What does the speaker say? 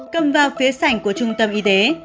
cầm vào phía sảnh của trung tâm y tế